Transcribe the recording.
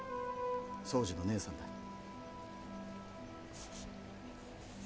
総司の姉さんだ。